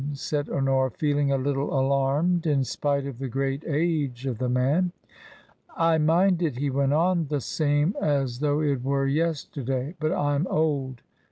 said Honora, feeling a little alarmed in spite of the great age of the man. " I mind it," he went on, " the same as though it were yesterday. But Tm old.